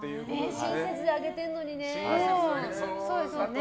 親切であげてるのにね。